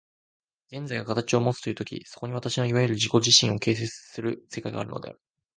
現在が形をもつという時、そこに私のいわゆる自己自身を形成する世界があるのである。